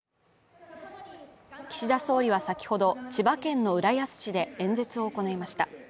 岸田総理は先ほど千葉県の浦安市で演説を行いました。